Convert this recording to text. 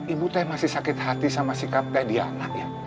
ibu teh masih sakit hati sama sikap teh di anak ya